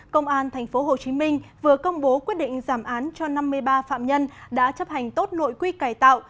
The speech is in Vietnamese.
công an tp hcm vừa công bố quyết định giảm án cho năm mươi ba phạm nhân đã chấp hành tốt nội quy cải tạo